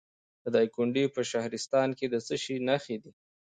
د دایکنډي په شهرستان کې د څه شي نښې دي؟